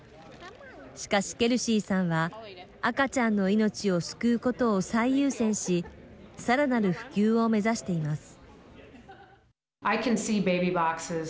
しかし、ケルシーさんは赤ちゃんの命を救うことを最優先しさらなる普及を目指しています。